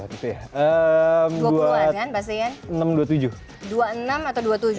dua puluh enam atau dua puluh tujuh itu masih hitungan muda kan kalau dibandingin senior senior udah pasti